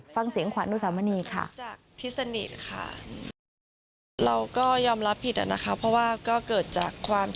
ฟังเสียงขวัญอุสามณีค่ะ